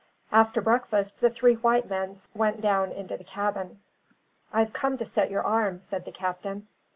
After breakfast, the three white men went down into the cabin. "I've come to set your arm," said the captain.